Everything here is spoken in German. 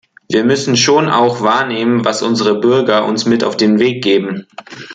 Wir müssen schon auch wahrnehmen, was unsere Bürger uns mit auf den Weg geben.